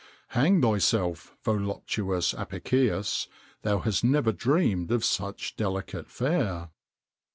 [XXIX 103] Hang thyself, voluptuous Apicius! thou hast never dreamed of such delicate fare!